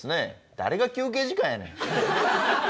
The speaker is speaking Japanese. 誰が休憩時間やねん。